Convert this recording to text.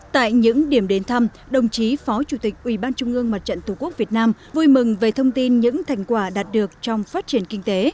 tại những điểm đến thăm đồng chí phó chủ tịch ủy ban trung ương mặt trận tổ quốc việt nam vui mừng về thông tin những thành quả đạt được trong phát triển kinh tế